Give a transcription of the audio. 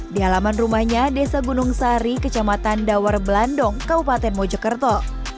di halaman rumahnya desa gunung sari kecamatan dawar belandong kabupaten mojokerto